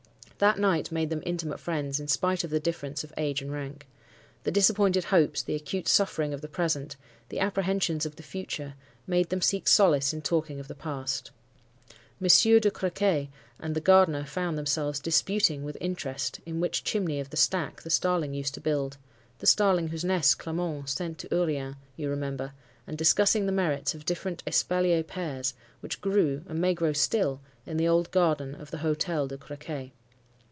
That night made them intimate friends, in spite of the difference of age and rank. The disappointed hopes, the acute suffering of the present, the apprehensions of the future, made them seek solace in talking of the past. Monsieur de Crequy and the gardener found themselves disputing with interest in which chimney of the stack the starling used to build,—the starling whose nest Clement sent to Urian, you remember, and discussing the merits of different espalier pears which grew, and may grow still, in the old garden of the Hotel de Crequy.